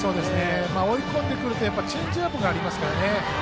追い込んでくるとチェンジアップがありますからね。